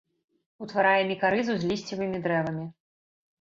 Утварае мікарызу з лісцевымі дрэвамі.